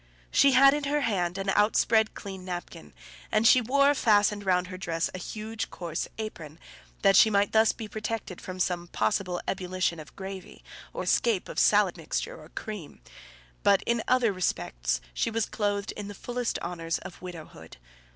She had in her hand an outspread clean napkin, and she wore fastened round her dress a huge coarse apron, that she might thus be protected from some possible ebullition of gravy, or escape of salad mixture, or cream; but in other respects she was clothed in the fullest honours of widowhood.